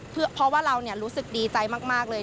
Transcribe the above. เพราะว่าเรารู้สึกดีใจมากเลย